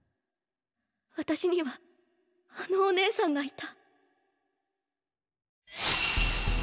私にはあのお姉さんがいた。